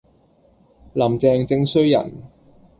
林鄭正衰人